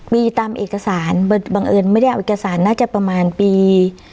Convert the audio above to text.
มีตามเอกสารบังเอิญไม่ได้เอาเอกสารน่าจะประมาณปี